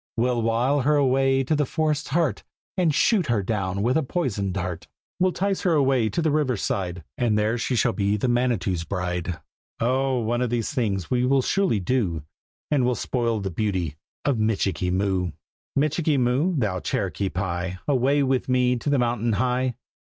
"We'll wile her away to the forest's heart, And shoot her down with a poisoned dart!" "We'll 'tice her away to the river side, And there she shall be the Manitou's bride!" "Oh! one of these things we will surely do, And we'll spoil the beauty of Michikee Moo!" "Michikee Moo, thou Cherokee Pie, Away with me to the mountain high!"